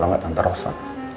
kalau gak tante rosak